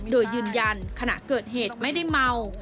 โดยยืนยันขณะเกิดเหตุไม่ได้เมา